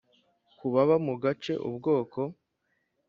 ku baba mu gace Ubwoko